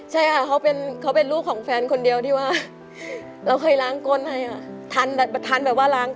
สวัสดีครับ